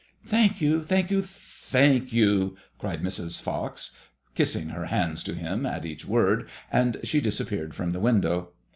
"Thank you, thank you, thank you," cried Mrs. Fox, kissing her hands to him at each word, and she disappeared from the window.